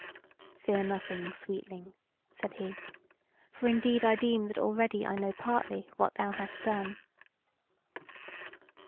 "Fear nothing, sweetling," said he; "for indeed I deem that already I know partly what thou hast done."